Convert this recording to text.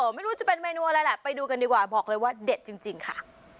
ไม่รู้จะเป็นเมนูอะไรแหละไปดูกันดีกว่าบอกเลยว่าเด็ดจริงค่ะ